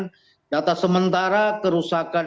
dan data sementara kerusakan